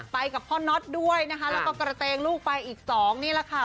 ไปกับพ่อน็อตด้วยนะคะแล้วก็กระเตงลูกไปอีกสองนี่แหละค่ะ